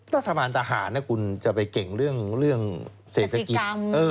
รัฐบาลทหารนะคุณจะไปเก่งเรื่องเศรษฐกิจ